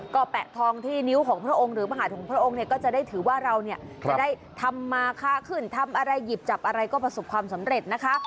ก็แปะทองที่นิ้วของพระองค์หรือมหาธมพระองค์เนี่ยก็จะได้ถือว่าเราเนี่ยจะได้ทำมาค่าขึ้นทำอะไรหยิบจับอะไรก็ประสบความสำเร็จนะคะ